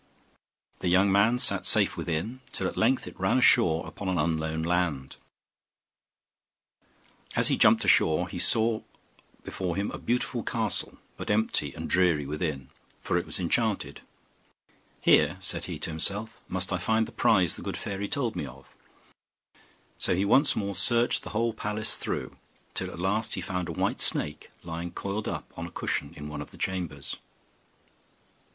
The young man sat safe within, till at length it ran ashore upon an unknown land. As he jumped upon the shore he saw before him a beautiful castle but empty and dreary within, for it was enchanted. 'Here,' said he to himself, 'must I find the prize the good fairy told me of.' So he once more searched the whole palace through, till at last he found a white snake, lying coiled up on a cushion in one of the chambers.